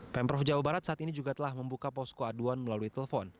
pemprov jawa barat saat ini juga telah membuka posko aduan melalui telepon